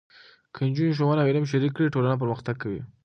که نجونې ښوونه او علم شریک کړي، ټولنه پرمختګ کوي.